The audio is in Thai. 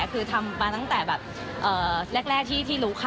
คือทำมาตั้งแต่แบบแรกที่รู้ค่ะ